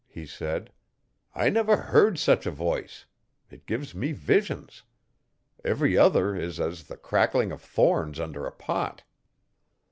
he said. 'I never heard such a voice. It gives me visions. Every other is as the crackling of thorns under a pot.'